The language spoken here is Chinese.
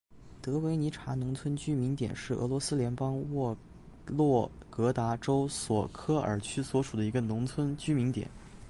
德维尼察农村居民点是俄罗斯联邦沃洛格达州索科尔区所属的一个农村居民点。